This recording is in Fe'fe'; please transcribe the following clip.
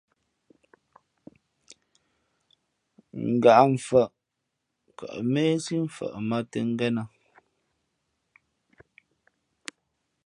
Ghǎʼmfαʼ kαʼ méhsí mfαʼ mᾱᾱ tᾱ ngénᾱ.